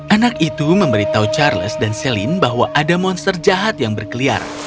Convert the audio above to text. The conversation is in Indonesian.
anak itu memberitahu charles dan celine bahwa ada monster jahat yang berkeliar